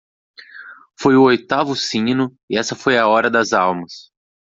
Foi o oitavo sino e essa foi a hora das almas.